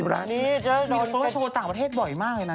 ๖๐บาทนี่จะโดนกันเพราะว่าโชว์ต่างประเทศบ่อยมากเลยนะ